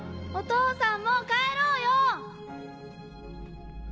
お父さんもう帰ろうよ！